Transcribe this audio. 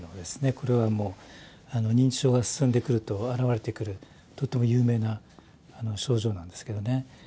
これはもう認知症が進んでくると現れてくるとっても有名な症状なんですけどね。